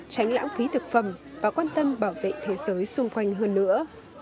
tránh lãng phí thực phẩm và quan tâm bảo vệ thế giới xung quanh hơn nữa